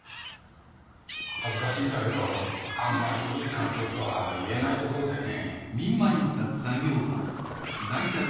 恥ずかしいんだけどあんまりいい環境とは言えないところでね。